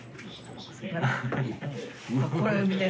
これ見て。